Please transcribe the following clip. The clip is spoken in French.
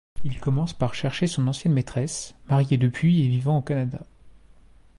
Il commence par chercher son ancienne maîtresse, mariée depuis et vivant au Canada.